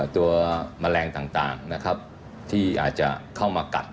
แมลงต่างนะครับที่อาจจะเข้ามากัด